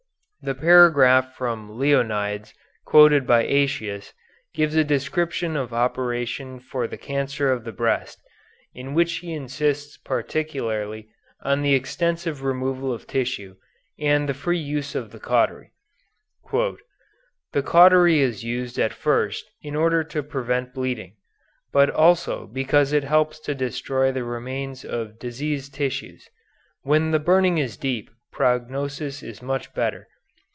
The paragraph from Leonides quoted by Aëtius gives a description of operation for cancer of the breast, in which he insists particularly on the extensive removal of tissue and the free use of the cautery. "The cautery is used at first in order to prevent bleeding, but also because it helps to destroy the remains of diseased tissues. When the burning is deep, prognosis is much better.